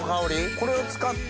これを使って。